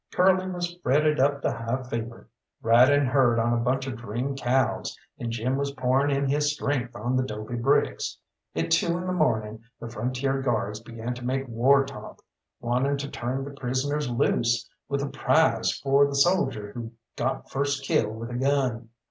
Curly was fretted up to high fever, riding herd on a bunch of dream cows, and Jim was pouring in his strength on the 'dobe bricks. At two in the morning the Frontier Guards began to make war talk, wanting to turn the prisoners loose, with a prize for the soldier who got first kill with a gun.